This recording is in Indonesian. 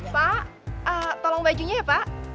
pak tolong bajunya ya pak